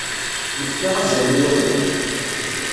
Nefka azal i waya.